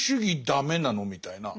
ダメなの？みたいな。